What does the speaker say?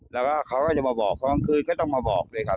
แล้วก็เขาก็จะมาบอกกลางคืนก็ต้องมาบอกด้วยครับ